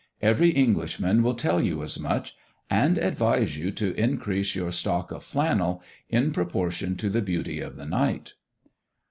Every Englishman will tell you as much, and advise you to increase your stock of flannel in proportion to the beauty of the night.